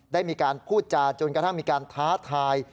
ได้มีการพูดจาจนกระทั่งมีการท้าทาย